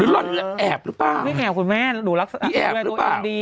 ล้าตัวแอบหรือเปล่าไม่แอบคุณแม่หนูรักษาด้วยตัวแอบดี